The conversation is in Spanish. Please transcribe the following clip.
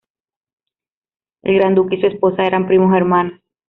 El Gran Duque y su esposa eran primos hermanos.